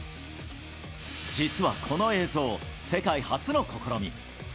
実はこの映像、世界初の試み。